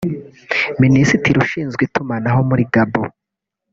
Minisitiri ushinzwe itumanaho muri Gabon